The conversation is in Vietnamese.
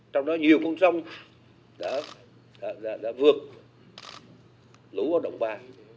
trong đó nhiều con sông đã vượt lũ ở động ba